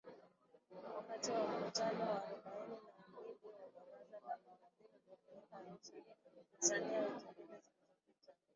Wakati wa mkutano wa arobaini na mbili wa Baraza la Mawaziri uliofanyika Arusha, Tanzania wiki mbili zilizopita,